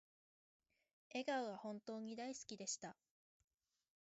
笑顔が本当に大好きでした